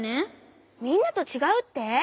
みんなとちがうって！？